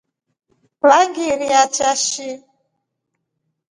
Vengiriachashi.